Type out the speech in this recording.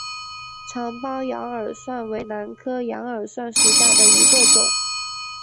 长苞羊耳蒜为兰科羊耳蒜属下的一个种。